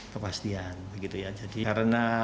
kepastian begitu ya jadi karena